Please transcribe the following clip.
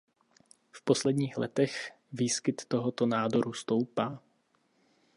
V posledních letech výskyt tohoto nádoru stoupá.